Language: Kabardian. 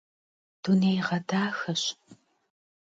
Dunêyğedaxeş.